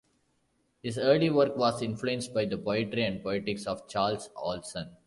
His early work was influenced by the poetry and poetics of Charles Olson.